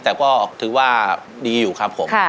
แต่ก็ถือว่าดีอยู่ครับผม